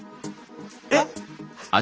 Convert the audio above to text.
えっ！